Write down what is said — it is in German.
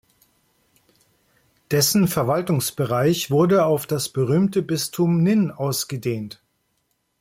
Dessen Verwaltungsbereich wurde auf das berühmte "Bistum Nin" ausgedehnt.